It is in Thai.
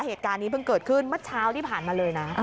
เหตุการณ์นี้เพิ่งเกิดขึ้นเมื่อเช้าที่ผ่านมาเลยนะ